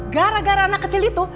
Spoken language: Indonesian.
gara gara anak kecil itu